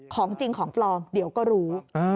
ของจริงของปลอมเดี๋ยวก็รู้